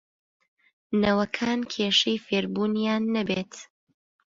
نەوەکان کێشەی فێربوونیان نەبێت